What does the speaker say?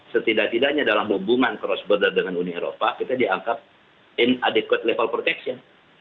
setidak tidaknya dalam hubungan crossberther dengan uni eropa kita dianggap in adequed level protection